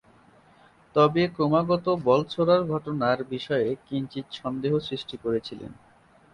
তবে ক্রমাগত বল ছোঁড়ার ঘটনার বিষয়ে কিঞ্চিৎ সন্দেহ সৃষ্টি করেছিলেন।